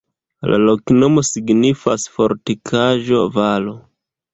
La loknomo signifas: fortikaĵo-valo.